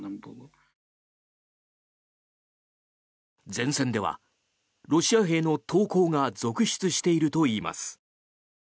前線ではロシア兵の投降が続出しているといいます。